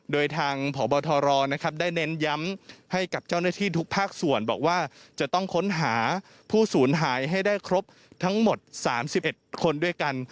โดยทางพบทรได้เน้นย้ำให้กับเจ้าหน้าที่ทุกภาคส่วนบอกว่าจะต้องค้นหาผู้สูญหายให้ได้ครบทั้งหมด๓๑คนด้วยกัน